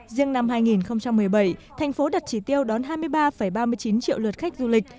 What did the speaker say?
riêng năm hai nghìn một mươi bảy thành phố đặt chỉ tiêu đón hai mươi ba ba mươi chín triệu lượt khách du lịch